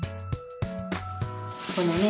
このね